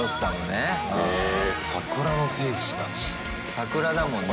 桜だもんね